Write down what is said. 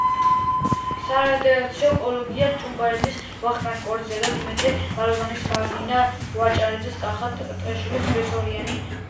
სარედაქციო კოლეგია: ჭუმბურიძე ვახტანგ, კორძაია დიმიტრი, მალაზონია მარინა, ვაჭარაძე კახა, ტყეშელაშვილი ბესარიონ.